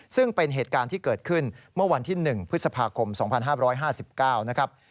ซึ่งเป็นเหตุการณ์ที่เกิดขึ้นเมื่อวันที่๑พฤษภาคม๒๕๕๙นะครับ